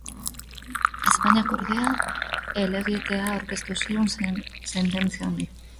Espainiak, ordea, helegitea aurkeztu zion sententzia honi.